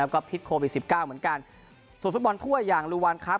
ก็พิษโควิดสิบเก้าเหมือนกันส่วนฟุตบอลถ้วยอย่างลูวันครับ